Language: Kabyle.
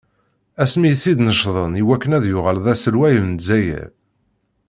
Asmi i t-id-necden i wakken ad yuɣal d aselway n Lezzayer.